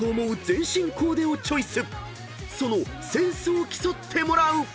［そのセンスを競ってもらう！］